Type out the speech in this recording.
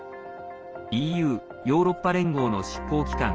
ＥＵ＝ヨーロッパ連合の執行機関